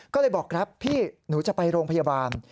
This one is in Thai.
ก็เลยบอกแรปพี่หนูจะไปโรงพยาบาล